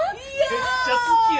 めっちゃ好きや。